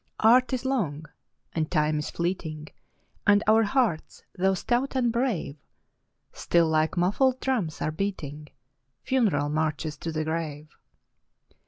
Art is long, and Time is fleeting, And our hearts, though stout and brave, Still, like muffled drums, are beating Funeral marches to the grave.